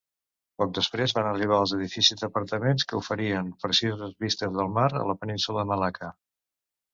Poc després van arribar els edificis d'apartaments, que oferien precioses vistes del mar a la Península de Malacca.